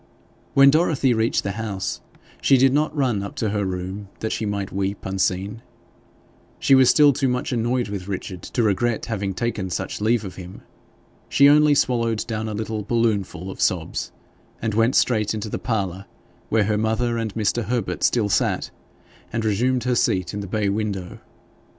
When Dorothy reached the house, she did not run up to her room that she might weep unseen. She was still too much annoyed with Richard to regret having taken such leave of him. She only swallowed down a little balloonful of sobs, and went straight into the parlour, where her mother and Mr. Herbert still sat, and resumed her seat in the bay window.